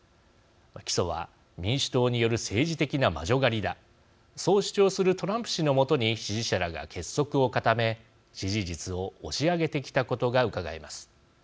起訴は民主党による政治的な魔女狩りだそう主張するトランプ氏のもとに支持者らが結束を固め支持率を押し上げてきたことがうかがえます。